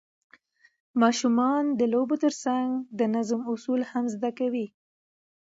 ماشومان د لوبو ترڅنګ د نظم اصول هم زده کوي